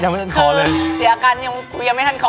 ยังไม่ทันขอเลยคือเสียอาการยังกูยังไม่ทันขอ